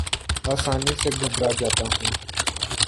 آسانی سے گھبرا جاتا ہوں